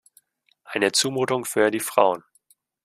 Eine Zumutung für die Frauen!